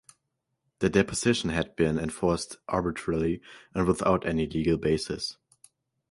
The deposition had been enforced arbitrarily and without any legal basis.